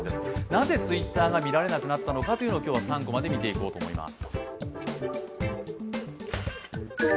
なぜＴｗｉｔｔｅｒが見られなくなったのかということを今日は３コマで見ていこうと思います。